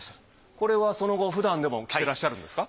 これはその後ふだんでも着てらっしゃるんですか？